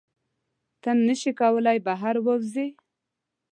ته نشې کولی بهر ووځې.